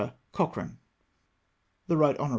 Cochrane. " The Rt. Hon.